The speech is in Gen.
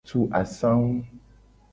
Tu asangu.